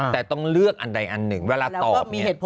แต่ต้องเลือกอันใดอันหนึ่งเวลาตอบเนี่ย